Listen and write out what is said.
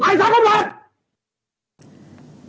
tài sao không lại